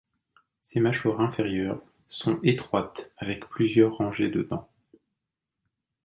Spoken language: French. Ses mâchoires inférieures sont étroites avec plusieurs rangées de dents.